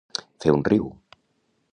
Fer un riu.